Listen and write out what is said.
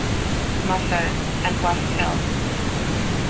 Musser, and West Hill.